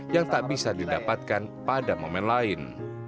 yang tak bisa didapatkan pada momen lain